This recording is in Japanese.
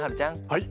はい。